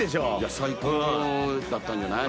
最高だったんじゃない？